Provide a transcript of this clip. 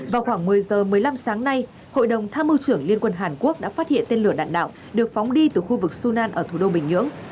vào khoảng một mươi h một mươi năm sáng nay hội đồng tham mưu trưởng liên quân hàn quốc đã phát hiện tên lửa đạn đạo được phóng đi từ khu vực sunan ở thủ đô bình nhưỡng